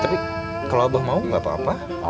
tapi kalau abah mau gak apa apa